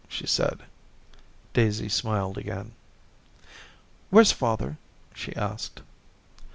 she said. Daisy smiled again. * Where's father?' she asked.